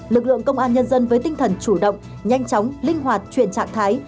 lực lượng công an nhân dân với tinh thần chủ động nhanh chóng linh hoạt chuyển trạng thái